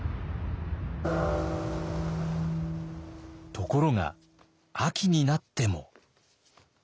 ところが秋になっても。